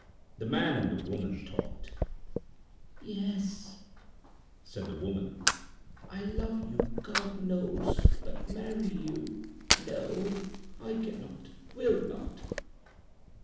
The man and the woman talked. "Yes," said the woman, "I love you, God knows! But marry you, no. I cannot, will not."